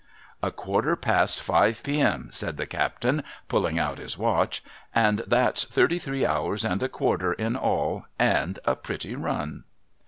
' A quarter past five p.m.,' said the captain, pulling out his watch, ' and that's thirty three hours and a quarter in all, and a pritty run